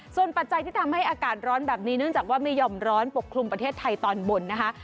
ส่วนปัจจัยที่ทำให้อากาศร้อนแบบนี้เนื่องจากว่ามีห่อมร้อนปกคลุมประเทศไทยตอนบนนะคะ